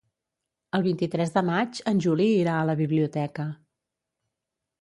El vint-i-tres de maig en Juli irà a la biblioteca.